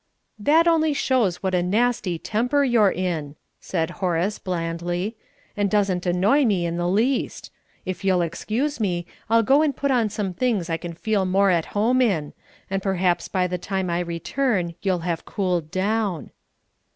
"That only shows what a nasty temper you're in," said Horace, blandly, "and doesn't annoy me in the least. If you'll excuse me, I'll go and put on some things I can feel more at home in; and perhaps by the time I return you'll have cooled down."